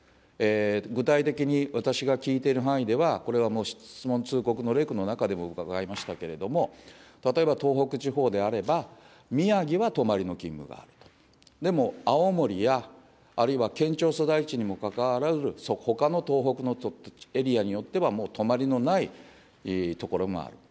具体的に私が聞いている範囲では、これはもう質問通告のレクの中でも伺いましたけれども、例えば東北地方であれば、宮城は泊まりの勤務があると、でも青森や、あるいは県庁所在地にもかかわらず、ほかの東北のエリアによっては、もう泊まりのない所がある。